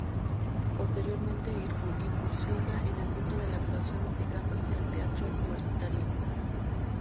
Posteriormente incursiona en el mundo de la actuación, integrándose al Teatro Universitario.